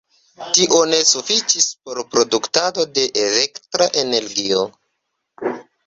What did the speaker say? Tio ne sufiĉis por produktado de elektra energio.